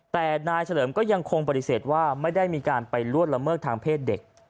แต่นายเฉลิมก็ยังคงปฏิเสธว่าไม่ได้มีการไปล่วงละเมิดทางเพศเด็ก